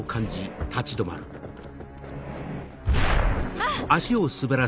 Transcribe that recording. あっ！